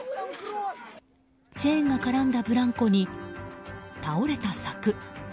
チェーンが絡んだブランコに倒れた柵。